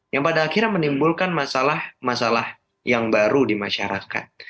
yang pada akhirnya menimbulkan masalah masalah yang baru di masyarakat